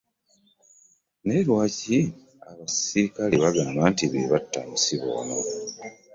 Naye lwaki abasirikale bagamba nti beebatta omusibe ono?